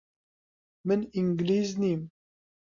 من ئینگلیز نیم.